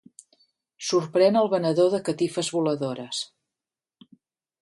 Sorprèn el venedor de catifes voladores.